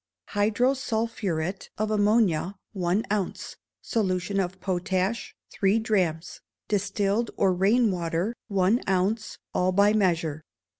Hydrosulphuret of ammonia, one ounce; solution of potash, three drachms; distilled or rain water, one ounce (all by measure).